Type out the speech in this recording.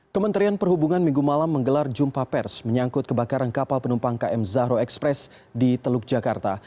kementerian perhubungan minggu malam menggelar jumpa pers menyangkut kebakaran kapal penumpang km zahro express di teluk jakarta